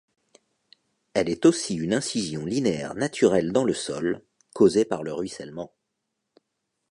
Elle est aussi une incision linéaire naturelle dans le sol, causée par le ruissellement.